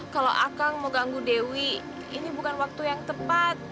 kalau akang mau ganggu dewi ini bukan waktu yang tepat